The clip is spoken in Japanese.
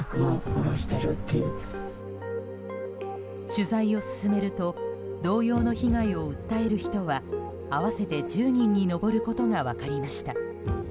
取材を進めると同様の被害を訴える人は合わせて１０人に上ることが分かりました。